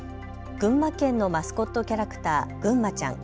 群馬県のマスコットキャラクター、ぐんまちゃん。